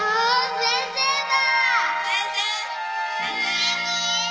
元気？